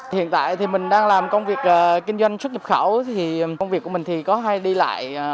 hiện tại thì mình đang làm công việc kinh doanh xuất nhập khẩu thì công việc của mình thì có hay đi lại